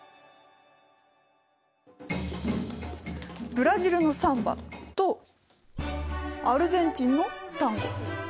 ブラジルのサンバとアルゼンチンのタンゴ。